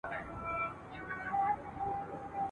په رڼو سترګو چي خوب کړي دا پر مړو حسابیږي ..